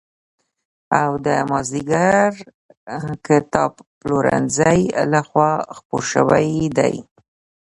او د مازدېګر کتابپلورنځي له خوا خپور شوی دی.